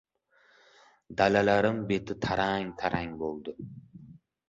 Dalalarim beti tarang-tarang bo‘ldi.